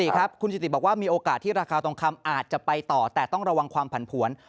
ครับคุณจิติบอกว่ามีโอกาสที่ราคาทองคำอาจจะไปต่อแต่ต้องระวังความผันผวน